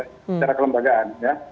secara kelembagaan ya